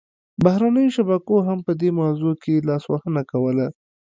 بهرنیو شبکو هم په دې موضوع کې لاسوهنه کوله